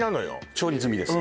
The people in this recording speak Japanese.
調理済みです